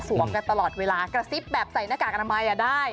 กันตลอดเวลากระซิบแบบใส่หน้ากากอนามัยได้